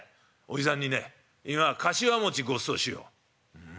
「おじさんにね今柏餅ごちそうしよう」。